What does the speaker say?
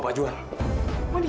apa kau cari